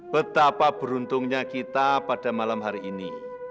betapa beruntungnya kita pada malam hari ini